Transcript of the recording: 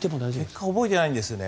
結果覚えてないんですよね。